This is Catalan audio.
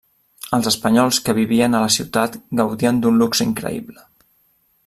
Els espanyols que vivien a la ciutat gaudien d'un luxe increïble.